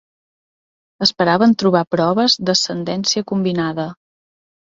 Esperaven trobar proves d'ascendència combinada.